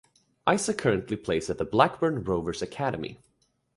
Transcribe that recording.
Isaac currently plays at the Blackburn Rovers Academy.